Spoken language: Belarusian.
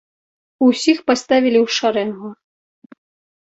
Усіх паставілі ў шарэнгу.